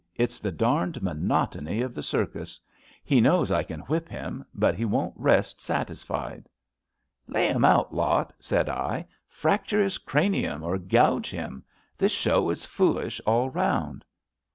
* It's the darned monotony of the circus. He knows I can whip him, but he won't rest satisfied. * Lay him out, Lot,' said I; * fracture his cranium or gouge him. This show is foolish all round.'